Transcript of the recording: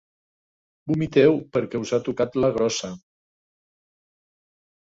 Vomiteu perquè us ha tocat la grossa.